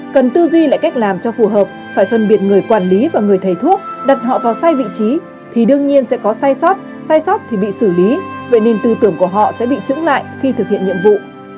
cần tư duy lại cách làm cho phù hợp phải phân biệt người quản lý và người thầy thuốc đặt họ vào sai vị trí thì đương nhiên sẽ có sai sót sai sót thì bị xử lý vậy nên tư tưởng của họ sẽ bị trứng lại khi thực hiện nhiệm vụ